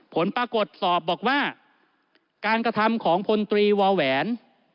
ผลปรากฏสอบบอกว่าการกระทำของพลตรีวาแหวน